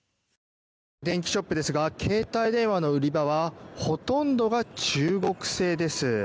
電器ショップですが携帯電話の売り場はほとんどが中国製です。